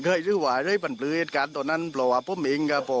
ก็ให้รู้ว่าให้ปันปลื๊ดการตัวนั้นเพราะว่าผมเองก็